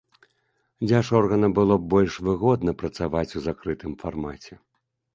Дзяржорганам было б больш выгодна працаваць у закрытым фармаце.